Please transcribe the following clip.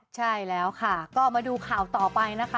ใช่แล้วค่ะก็มาดูข่าวต่อไปนะคะ